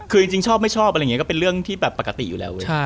คือจริงชอบไม่ชอบอะไรอย่างนี้ก็เป็นเรื่องที่แบบปกติอยู่แล้วเว้ย